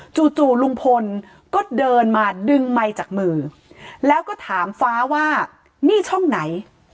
จู่ลุงพลก็เดินมาดึงไมค์จากมือแล้วก็ถามฟ้าว่านี่ช่องไหน